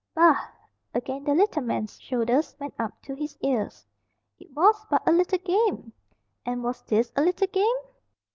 "Bah!" Again the little man's shoulders went up to his ears. "It was but a little game." "And was this a little game?"